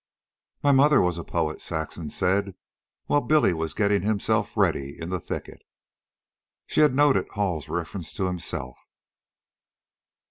"My mother was a poet," Saxon said, while Billy was getting himself ready in the thicket. She had noted Hall's reference to himself.